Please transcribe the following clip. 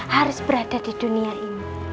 harus berada di dunia ini